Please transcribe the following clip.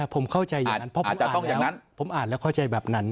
ผมเข้าใจอย่างนั้นเพราะผมอ่านแล้วเข้าใจแบบนั้น